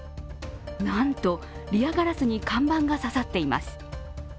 なんとリアガラスに看板が刺さっています。